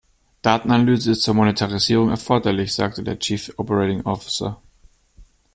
Datenanalyse ist zur Monetarisierung erforderlich, sagte der Chief Operating Officer.